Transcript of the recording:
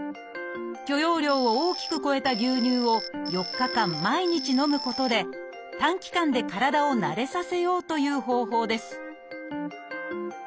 許容量を大きく超えた牛乳を４日間毎日飲むことで短期間で体を慣れさせようという方法です